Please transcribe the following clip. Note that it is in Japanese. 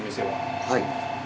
はい。